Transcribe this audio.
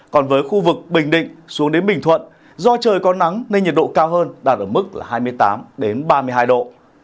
còn với khu vực bình định xuống đến bình thuận do trời có nắng nên nhiệt độ cao hơn đạt ở mức hai mươi tám ba mươi hai độ